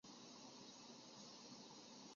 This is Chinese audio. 反应连接了两个羰基底物化合物。